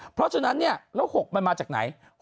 เพราะฉะนั้นแล้ว๖มันมาจากไหน